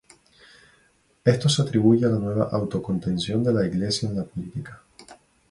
Esto se atribuye a la nueva auto-contención de la Iglesia en la política.